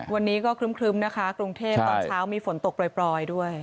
วันนี้ก็ครึ้มนะคะกรุงเทพตอนเช้ามีฝนตกปล่อยด้วย